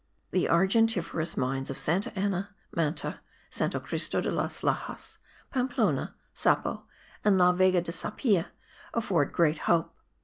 The argentiferous mines of Santa Anna, Manta, Santo Christo de las Laxas, Pamplona, Sapo and La Vega de Sapia afford great hope.